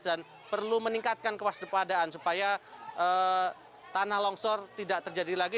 dan perlu meningkatkan kewas depadaan supaya tanah lonsor tidak terjadi lagi